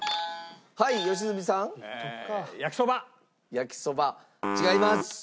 焼きそば違います。